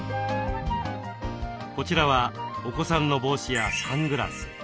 こちらはお子さんの帽子やサングラス。